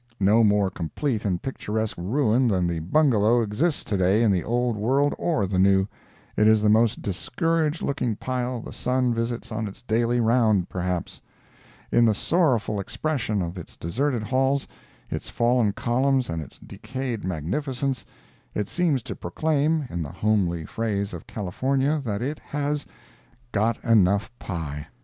No more complete and picturesque ruin than the Bungalow exists to day in the old world or the new. It is the most discouraged looking pile the sun visits on its daily round, perhaps. In the sorrowful expression of its deserted halls, its fallen columns and its decayed magnificence, it seems to proclaim, in the homely phrase of California, that it has "got enough pie."